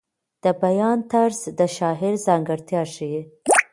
د بیان طرز د شاعر ځانګړتیا ښیي.